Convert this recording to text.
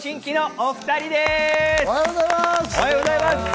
おはようございます！